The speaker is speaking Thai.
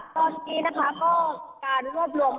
ตอนนี้การรวบรวมคนอีกประมาณหนึ่ง